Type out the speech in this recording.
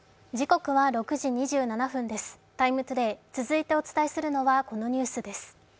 「ＴＩＭＥ，ＴＯＤＡＹ」続いてお伝えするのはこのニュースです。